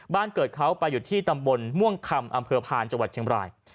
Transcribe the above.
เกิดเขาไปอยู่ที่ตำบลม่วงคำอำเภอพานจังหวัดเชียงบราย